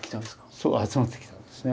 そう集まってきたんですね。